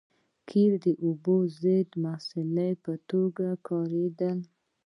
قیر د اوبو ضد مصالحې په توګه کارېده